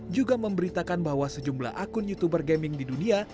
juga memberitakan bahwa sejumlah akun youtuber gaming di dunia